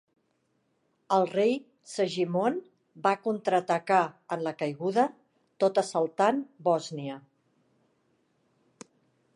El rei Segimon va contra-atacar en la caiguda, tot assaltant Bòsnia.